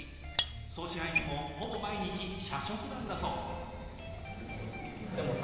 総支配人もほぼ毎日社食なんだそう。